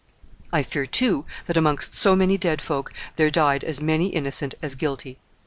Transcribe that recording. I fear, too, that amongst so many dead folk there died as many innocent as guilty.